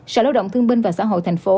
sở lao động thương binh và xã hội tp hcm